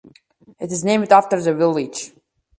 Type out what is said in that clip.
It is named after the village.